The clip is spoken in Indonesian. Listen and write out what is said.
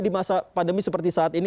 di masa pandemi seperti saat ini